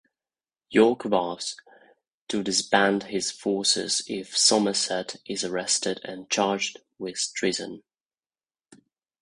York vows to disband his forces if Somerset is arrested and charged with treason.